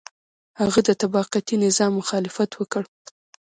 هغه د طبقاتي نظام مخالفت وکړ.